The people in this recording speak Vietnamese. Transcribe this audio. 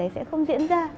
sẽ không diễn ra